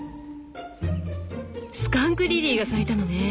スカンクリリーが咲いたのね。